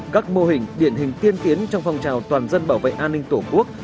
các mô hình điển hình tiên tiến trong phong trào toàn dân bảo vệ an ninh tổ quốc